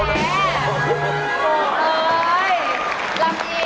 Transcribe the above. โอเคพาเรามากแม่